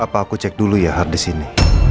apa aku cek dulu ya hard di sini